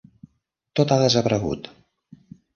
Tot ha desaparegut.